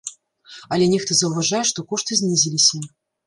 Але нехта заўважае, што кошты знізіліся.